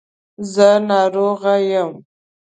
زه ناروغ یم.